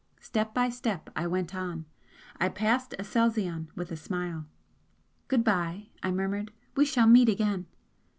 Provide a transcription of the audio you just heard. Step by step I went on I passed Aselzion with a smile "Good bye!" I murmured "We shall meet again!"